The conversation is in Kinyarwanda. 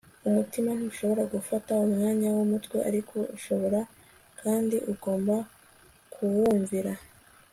umutima ntushobora gufata umwanya wumutwe ariko urashobora, kandi ugomba, kuwumvira - c s lewis